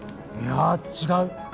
いや違う。